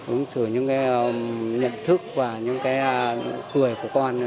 ứng xử những cái nhận thức và những cái cười của con